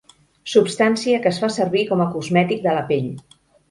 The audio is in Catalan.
Substància que es fa servir com a cosmètic de la pell.